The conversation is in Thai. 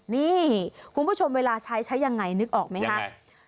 นี่คุณผู้ชมเวลาใช้ใช้ยังไงนึกออกไหมครับ